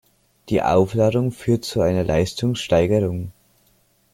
Die Aufladung führt zu einer Leistungssteigerung.